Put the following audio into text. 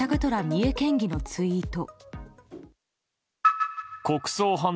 三重県議のツイート。